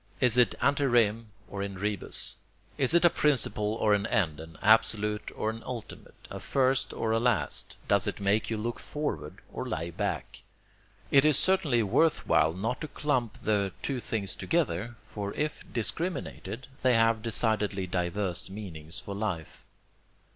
Is it ante rem or in rebus? Is it a principle or an end, an absolute or an ultimate, a first or a last? Does it make you look forward or lie back? It is certainly worth while not to clump the two things together, for if discriminated, they have decidedly diverse meanings for life.